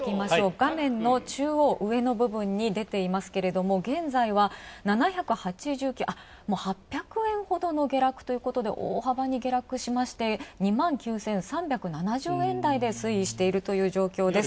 画面の中央上の部分に出ていますけども現在は、もう８００円ほどの下落ということで大幅に下落しまして２万９３７０円台で推移しているという状況です。